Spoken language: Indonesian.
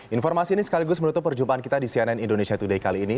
informasi ini sekaligus menutup perjumpaan kita di cnn indonesia today kali ini